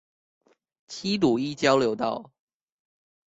七堵一交流道